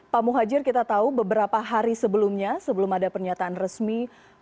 pak muhajir kita tahu beberapa hari sebelumnya sebelum ada pernyataan resmi